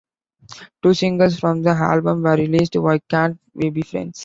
Two singles from the album were released: Why Can't We Be Friends?